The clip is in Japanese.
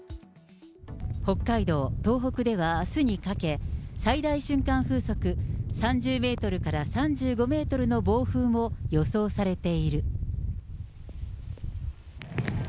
北海道、東北では、あすにかけ、最大瞬間風速３０メートルから３５メートルの暴風も予想されている。